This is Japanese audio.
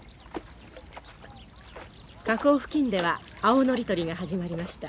河口付近では青ノリ採りが始まりました。